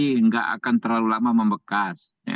jadi nggak akan terlalu lama membekas